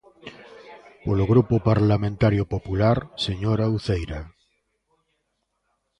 Polo Grupo Parlamentario Popular, señora Uceira.